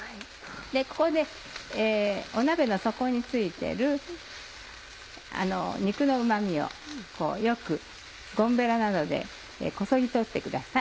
ここで鍋の底に付いてる肉のうま味をよくゴムベラなどでこそぎ取ってください。